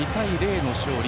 ２対０の勝利。